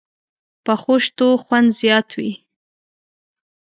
پخو شتو خوند زیات وي